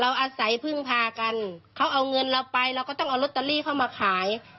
อาศัยพึ่งพากันเขาเอาเงินเราไปเราก็ต้องเอาลอตเตอรี่เข้ามาขาย